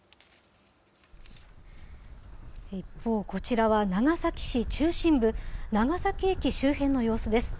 一方、こちらは長崎市中心部、長崎駅周辺の様子です。